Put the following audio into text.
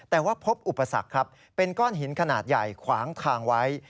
แต่ว่าพบอุปสรรคครับเป็นก้อนหินขนาดใหญ่ขวางทางไว้